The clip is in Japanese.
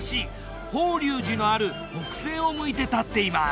法隆寺のある北西を向いて立っています。